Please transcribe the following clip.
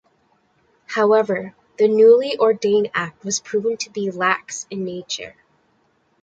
However, the newly-ordained act was proven to be lax in nature.